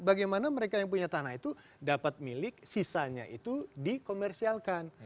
bagaimana mereka yang punya tanah itu dapat milik sisanya itu dikomersialkan